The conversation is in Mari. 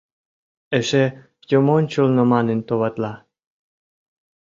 Эше юмончылно манын товатла.